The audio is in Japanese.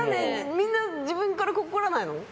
みんな自分からコクらないの？